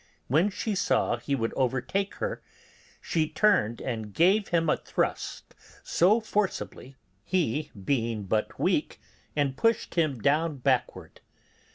When she saw he would overtake her, she turned and gave him a thrust so forcibly, he being but weak, and pushed him down backward.